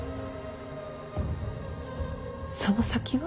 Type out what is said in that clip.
その先は？